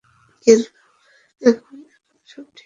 কিন্তু এখন এখন সব ঠিক আছে।